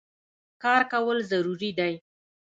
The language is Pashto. کار کول ضروري دی.